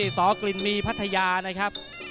สกลิ่นมีพัทยา